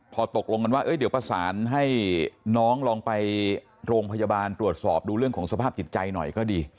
พอตกลงกันว่าเดี๋ยวประสานให้น้องลองไปโรงพยาบาลตรวจสอบดูเรื่องของสภาพจิตใจหน่อยก็ดี